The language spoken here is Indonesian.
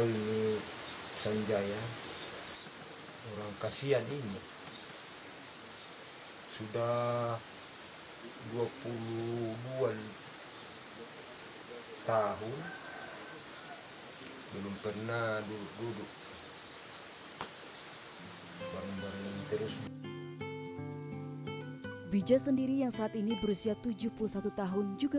iya melengkung juga